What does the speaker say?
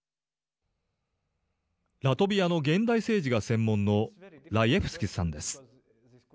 ラトビアの現代政治が専門のライェフスキスさんです。